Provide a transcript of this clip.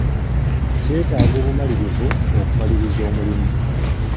Kyetaaga obumalirivu okumaliriza omulimu.